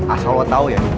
astaga tau ya